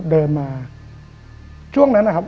เดินมาช่วงนั้นนะครับ